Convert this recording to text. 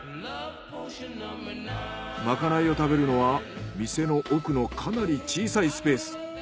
まかないを食べるのは店の奥のかなり小さいスペース。